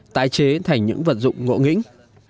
tai chế thành những vận dụng ngộ nghĩnh